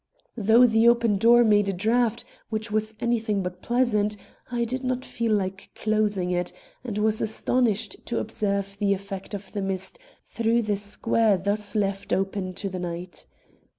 Though the open door made a draft which was anything but pleasant, I did not feel like closing it, and was astonished to observe the effect of the mist through the square thus left open to the night.